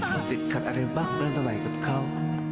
จิตขัดอะไรบ้างเรื่องทางไหนกับเขา